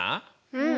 うん。